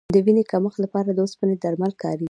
د وینې کمښت لپاره د اوسپنې درمل کارېږي.